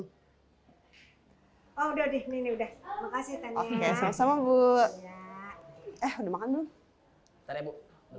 hai odeh ini udah makasih sama sama bu eh udah makan dulu